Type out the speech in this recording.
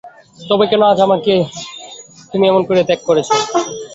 তবে কেন আজ আমাকে তুমি এমন করে ত্যাগ করছ।